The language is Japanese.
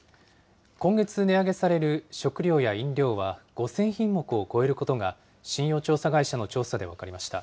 今月、値上げされる食料や飲料は５０００品目を超えることが、信用調査会社の調査で分かりました。